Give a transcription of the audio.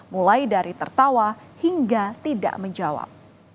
mulai dari tertawa hingga tidak menjawab